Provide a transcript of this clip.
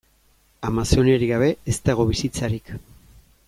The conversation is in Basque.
Amazoniarik gabe ez dago bizitzarik.